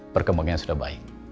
perkembangannya sudah baik